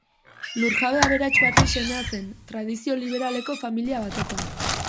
Lur-jabe aberats baten semea zen, tradizio liberaleko familia batekoa.